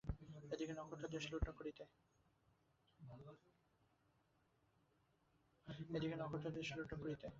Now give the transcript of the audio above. এদিকে নক্ষত্ররায় দেশ লুণ্ঠন করিতে করিতে ত্রিপুরার পার্বত্য প্রদেশে আসিয়া পৌঁছিলেন।